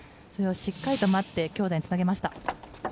それをしっかりと待って強打につなげました。